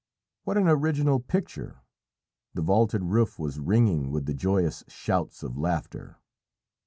What an original picture! The vaulted roof was ringing with the joyous shouts of laughter.